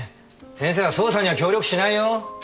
先生は捜査には協力しないよ。